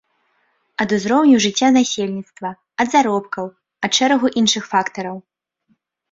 Ад узроўню жыцця насельніцтва, ад заробкаў, ад шэрагу іншых фактараў.